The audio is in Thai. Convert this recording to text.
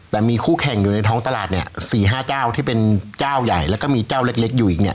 แต่มีคู่แข่งอยู่ในท้องตลาดเนี่ย๔๕เจ้าที่เป็นเจ้าใหญ่แล้วก็มีเจ้าเล็กอยู่อีกเนี่ย